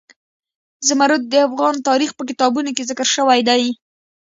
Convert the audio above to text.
زمرد د افغان تاریخ په کتابونو کې ذکر شوی دي.